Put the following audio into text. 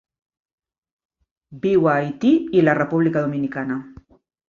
Viu a Haití i la República Dominicana.